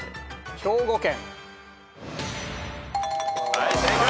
はい正解。